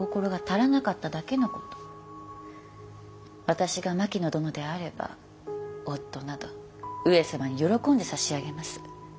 私が牧野殿であれば夫など上様に喜んで差し上げます。